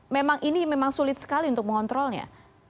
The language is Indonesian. memang ini memang sulit sekali untuk mengontrolnya